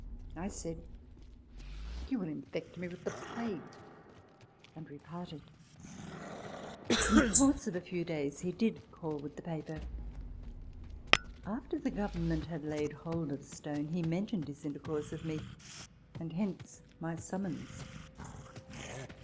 I said, " You will infect me with the plague "; and we parted. In the course of a few days he did call with the paper. After the Government had laid hold of Stone, he mentioned his intercourse with me ; and hence my summons.